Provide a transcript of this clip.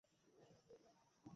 ছিপ ফেলব কিন্তু কিছুই ধরব না?